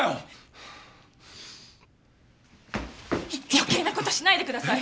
余計な事しないでください。